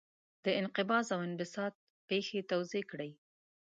د انقباض او انبساط پېښې توضیح کړئ.